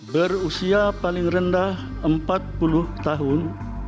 berusia paling rendah empat puluh tahun